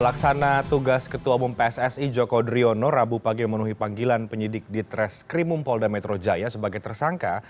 melaksana tugas ketua bum pssi joko driono rabu pagil menuhi panggilan penyidik di treskrimum polda metro jaya sebagai tersangka